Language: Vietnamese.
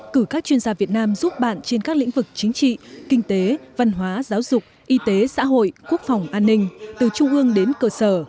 cử các chuyên gia việt nam giúp bạn trên các lĩnh vực chính trị kinh tế văn hóa giáo dục y tế xã hội quốc phòng an ninh từ trung ương đến cơ sở